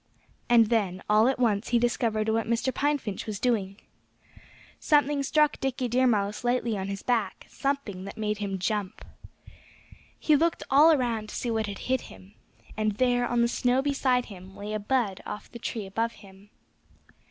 And then all at once he discovered what Mr. Pine Finch was doing. Something struck Dickie Deer Mouse lightly on his back something that made him jump. He looked all around to see what had hit him. And there, on the snow beside him, lay a bud off the tree above him.